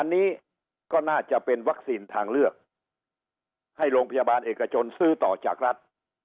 อันนี้ก็น่าจะเป็นวัคซีนทางเลือกให้โรงพยาบาลเอกชนซื้อต่อจากรัฐ